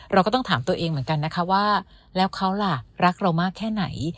เราก็ต้องถามตัวเองเหมือนกันนะคะว่าแล้วเขาล่ะรักเรามากแค่ไหน